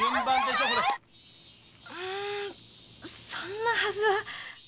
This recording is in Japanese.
んそんなはずは？